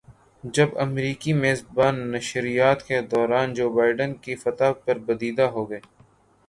جب امریکی میزبان نشریات کے دوران جو بائیڈن کی فتح پر بدیدہ ہوگئے